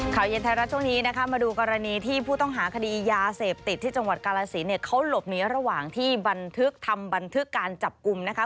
ข่าวเย็นไทยรัฐช่วงนี้นะคะมาดูกรณีที่ผู้ต้องหาคดียาเสพติดที่จังหวัดกาลสินเนี่ยเขาหลบหนีระหว่างที่บันทึกทำบันทึกการจับกลุ่มนะคะ